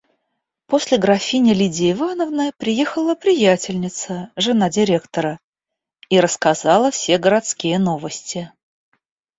После графини Лидии Ивановны приехала приятельница, жена директора, и рассказала все городские новости.